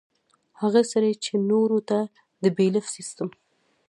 هغه سړے چې نورو ته د بيليف سسټم